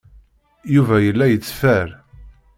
Yuba yella yetteffer.